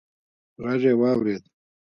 غږ يې واورېد: